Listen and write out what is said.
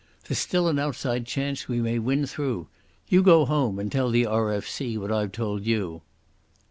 There's still an outside chance we may win through. You go home and tell the R.F.C. what I've told you."